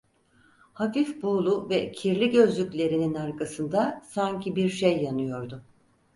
Hafif buğulu ve kirli gözlüklerinin arkasında sanki bir şey yanıyordu.